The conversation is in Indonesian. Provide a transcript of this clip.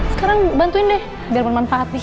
sekarang bantuin deh biar bermanfaat nih